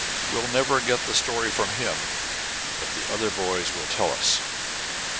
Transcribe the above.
We'll never get the story from him, but the other boys will tell us.